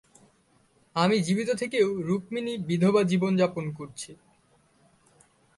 আমি জীবিত থেকেও রুকমিনি বিধবা জীবন যাপন করছে।